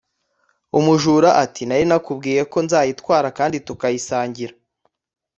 Umujura ati nari nakubwiye ko nzayitwara kandi tukazayisangira!"